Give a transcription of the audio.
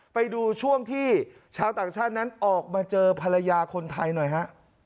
ไปดูช่วงที่ชาวต่างชาตินั้นออกมาเจอภรรยาคนไทยหน่อยฮะ